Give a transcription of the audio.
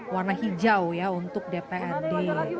warna hijau ya untuk dprd